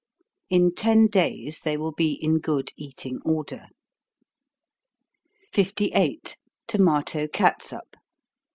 In ten days, they will be in good eating order. 58. _Tomato Catsup.